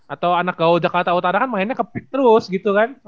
atau anak gaul jakarta utara kan mainnya kepik terus gitu kan